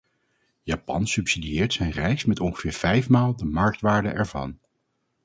Japan subsidieert zijn rijst met ongeveer vijfmaal de marktwaarde ervan.